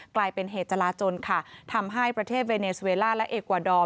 กลายเป็นเหตุจราจนค่ะทำให้ประเทศเวเนสเวล่าและเอกวาดอร์